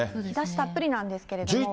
日ざしたっぷりなんですけども。